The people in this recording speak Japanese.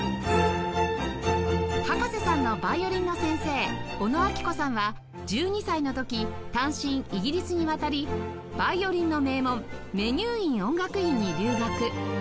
葉加瀬さんのヴァイオリンの先生小野明子さんは１２歳の時単身イギリスに渡りヴァイオリンの名門メニューイン音楽院に留学